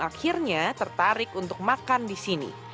akhirnya tertarik untuk makan di sini